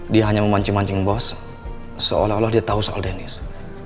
dia hanya memancing mancing bos seolah olah dia tahu soal denis